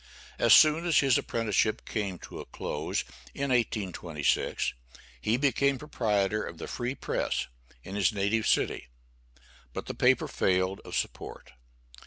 As soon as his apprenticeship came to a close, in 1826, he became proprietor of the "Free Press," in his native city, but the paper failed of support.